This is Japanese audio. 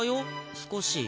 少し。